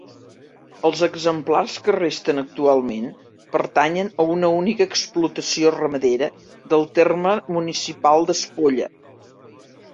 Els exemplars que resten actualment pertanyen a una única explotació ramadera del terme municipal d'Espolla.